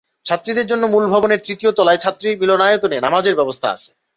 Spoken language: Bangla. ছাত্রীদের জন্য মূল ভবনের তৃতীয় তলায় ছাত্রী মিলনায়তনে নামাজের ব্যবস্থা আছে।